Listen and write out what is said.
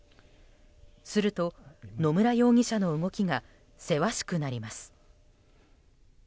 すると、野村容疑者の動きがせわしくなります。